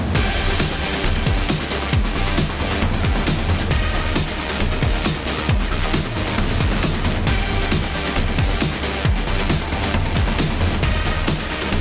โปรดติดตามตอนต่อไป